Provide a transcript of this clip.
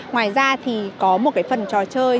ngoài ra thì có một cái phần trò chơi